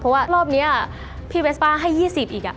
เพราะว่ารอบนี้พี่เวสป้าให้๒๐อีก